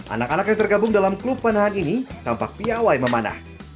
anak anak yang tergabung dalam klub panahan ini tampak piawai memanah